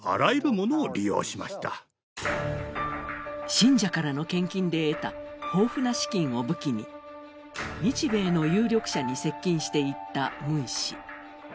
信者からの献金で得た豊富な資金を武器に日米の有力者に接近していったムン氏。